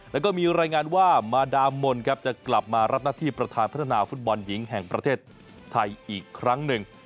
แล้วก็มีรายงานว่ามาดามมนต์ครับจะกลับมารับหน้าที่ประธานพัฒนาฟุตบอลหญิงแห่งประเทศไทยอีกครั้งหนึ่ง